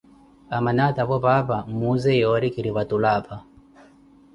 Amana atavo paapa, mmuuze yori kiri vatulu apha.